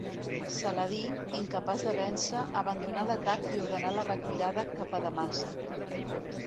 Saladí, incapaç de vèncer, abandonà l'atac i ordenà la retirada cap a Damasc.